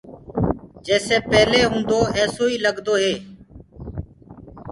جيسي پيلي هوندو ايسو ئي لگدو